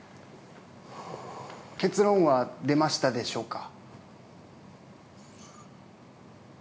・結論は出ましたでしょうか？